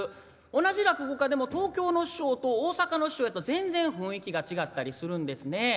同じ落語家でも東京の師匠と大阪の師匠やと全然雰囲気が違ったりするんですね。